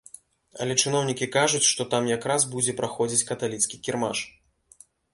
Але чыноўнікі кажуць, што там якраз будзе праходзіць каталіцкі кірмаш.